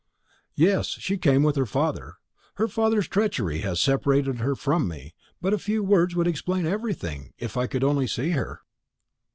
"Yes; she came with her father. Her father's treachery has separated her from me; but a few words would explain everything, if I could only see her."